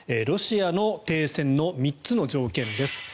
ロシアの停戦の３つの条件です。